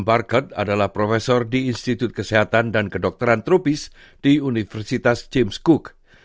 market adalah profesor di institut kesehatan dan kedokteran tropis di universitas james cook